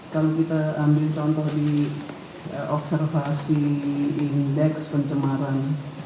kalau kita ambil contoh di observasi indeks pencemaran